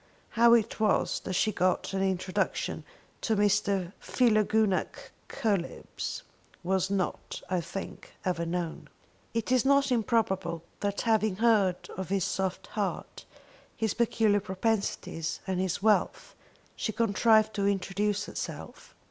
How it was that she got an introduction to Mr. Philogunac Coelebs was not, I think, ever known. It is not improbable that having heard of his soft heart, his peculiar propensities, and his wealth, she contrived to introduce herself.